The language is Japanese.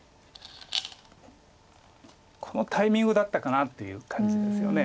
このタイミングだったかなっていう感じですよね。